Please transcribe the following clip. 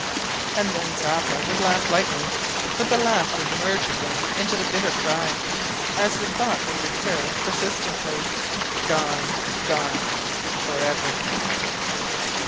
And then Zeppa would laugh lightly, but the laugh would merge again into the bitter cry, as the thought would recur persistently "gone gone for ever!"